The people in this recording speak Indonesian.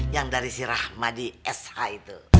yang dari si rahmadi sh itu